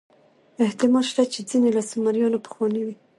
احتمال شته چې ځینې له سومریانو پخواني وي.